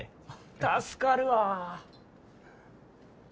助かるわ。